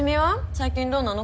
最近どうなの？